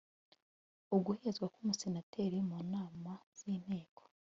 uguhezwa k umusenateri mu nama z inteko